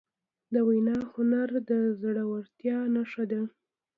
د وینا هنر د زړهورتیا نښه ده.